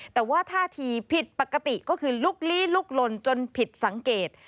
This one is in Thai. แต่ว่าท่าทีผิดปกติก็คือลุกลี้ลุกลนจนผิดสังเกต